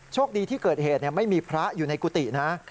โชคดีที่เกิดเหตุไม่มีพระอยู่ในกุฏินะ